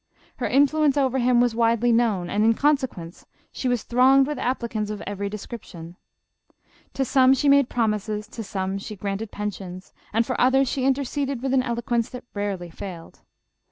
Her influence over him was widely known, and, in consequence, she was thronged with JOSEPHINE. 249 applicants of every description. To some she raado promises, to some she granted pensions, and for others she interceded with an eloquence that rarely faiKd.